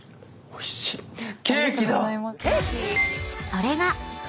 ［それが］